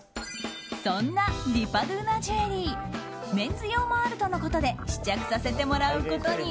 そんなディパドゥーナジュエリーメンズ用もあるとのことで試着させてもらうことに。